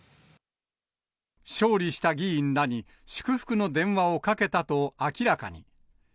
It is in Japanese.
勝利した議員らに祝福の電話をかけたと明らかに。